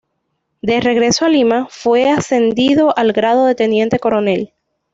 De regreso a Lima, fue ascendido al grado de teniente coronel.